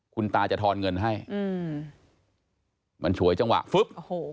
คุณตาจะทอนเงินให้มันฉวยจังหวะฟึบ